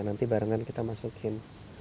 nanti barengan kita masukin